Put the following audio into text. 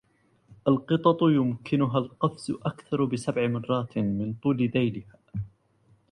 القطط يمكنها القفز أكثر بـ سبع مرات من طول ذيلها.